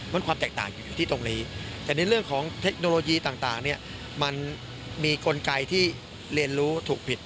มันความแตกต่างอยู่ที่ตรงนี้แต่ในเรื่องของเทคโนโลยีต่างเนี่ยมันมีกลไกที่เรียนรู้ถูกผิด